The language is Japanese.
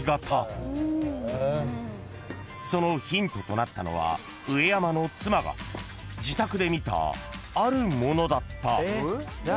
［そのヒントとなったのは上山の妻が自宅で見たあるものだった］